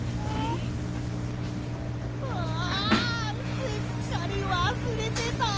すっかりわすれてた！